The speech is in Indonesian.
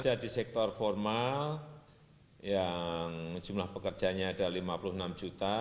jadi sektor formal yang jumlah pekerjanya ada lima puluh enam juta